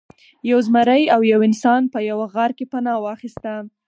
یو زمری او یو انسان په یوه غار کې پناه واخیسته.